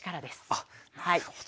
あっなるほど。